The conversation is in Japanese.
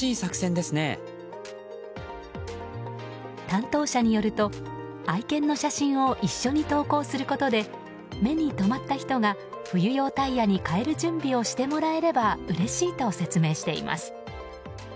担当者によると愛犬の写真を一緒に投稿することで目にとまった人が冬用タイヤに替える準備をしてもらえればうれしいと説明しています。